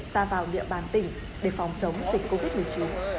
ra vào địa bàn tỉnh để phòng chống dịch covid một mươi chín